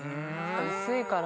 薄いから。